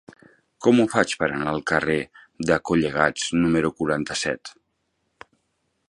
Com ho faig per anar al carrer de Collegats número quaranta-set?